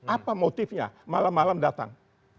apa motifnya malam malam datang